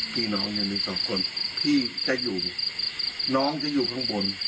พี่น้องก็เงียบกับพี่จะอยู่น้องจะอยู่ข้างบน